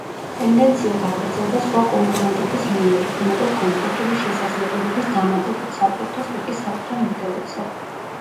ტენდენცია გაგრძელდა სხვა კონკურენტების მიერ, უფრო მეტად კომფორტული შესაძლებლობების დამატებით, სატვირთოს ტიპის საკუთარ მოდელებზე.